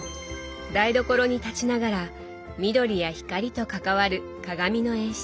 台所に立ちながら緑や光と関わる鏡の演出。